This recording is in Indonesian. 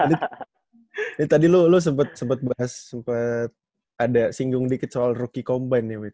ini tadi lu sempet bahas sempet ada singgung dikit soal rookie combine nih witt